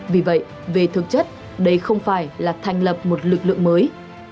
vì vậy về thực chất đây không phải là thành lập một lực lượng mới